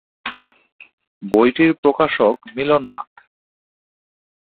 বইটির প্রকাশক মিলন নাথ।